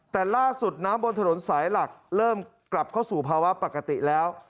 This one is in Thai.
แต่ล่าสุดน้ำบนถนนสายหลักเริ่มกลับเข้าสู่ภาวะปกติแล้ว